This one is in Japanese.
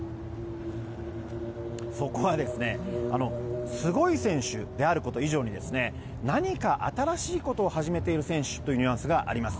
そこはですねすごい選手であること以上に何か新しいことを始めている選手というニュアンスがあります。